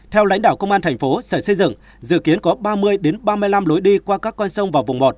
theo lãnh đạo công an thành phố sở xây dựng dự kiến có ba mươi ba mươi năm lối đi qua các con sông và vùng ngọt